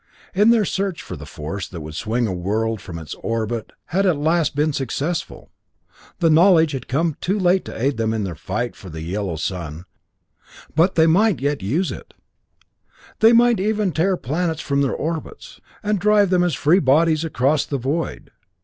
Their search for the force that would swing a world from its orbit had at last been successful. The knowledge had come too late to aid them in their fight for the yellow sun, but they might yet use it they might even tear their planets from their orbits, and drive them as free bodies across the void.